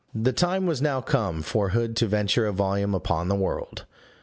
The time was now come for Hood to venture a volume upon the world.